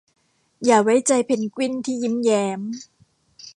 อย่าไว้ใจเพนกวินที่ยิ้มแย้ม